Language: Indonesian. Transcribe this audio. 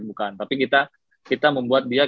bukan tapi kita membuat dia